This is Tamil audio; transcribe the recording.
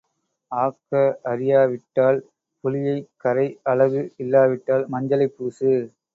ஆக்க அறியாவிட்டால் புளியைக் கரை அழகு இல்லாவிட்டால் மஞ்சளைப் பூசு.